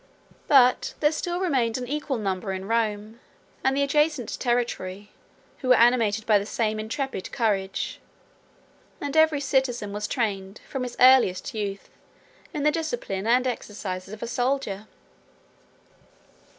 But there still remained an equal number in Rome, and the adjacent territory, who were animated by the same intrepid courage; and every citizen was trained, from his earliest youth, in the discipline and exercises of a soldier.